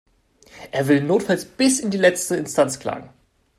Er will notfalls bis in die letzte Instanz klagen.